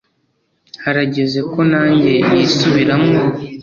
"Harageze ko nanjye nisubiramwo